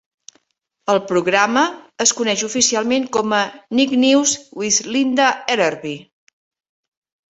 El programa es coneix oficialment com a "Nick News with Linda Ellerbee".